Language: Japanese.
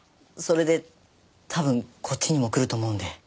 それで多分こっちにも来ると思うんで。